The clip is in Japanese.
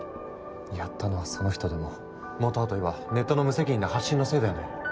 やったのはその人でも本はといえばネットの無責任な発信のせいだよね。